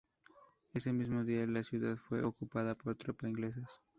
Ese mismo día, la ciudad fue ocupada por tropa inglesas.